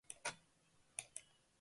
Tenperaturek ez dute aldaketarik izango.